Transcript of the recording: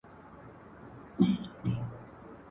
په غاړه يې د کوپړيو غاړګۍ وي